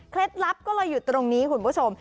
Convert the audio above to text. ลับก็เลยอยู่ตรงนี้คุณผู้ชม